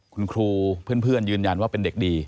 คุณครูเพื่อนยืนยันว่าเป็นเด็กดี